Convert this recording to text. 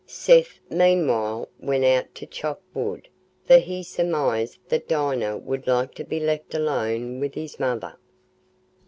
Seth, meanwhile, went out to chop wood, for he surmised that Dinah would like to be left alone with his mother.